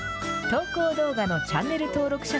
投稿動画のチャンネル登録者